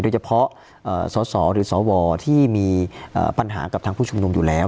โดยเฉพาะสสหรือสวที่มีปัญหากับทางผู้ชุมนุมอยู่แล้ว